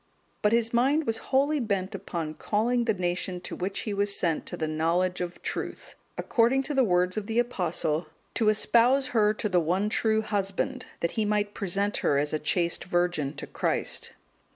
But his mind was wholly bent upon calling the nation to which he was sent to the knowledge of truth; according to the words of the Apostle, "To espouse her to the one true Husband, that he might present her as a chaste virgin to Christ."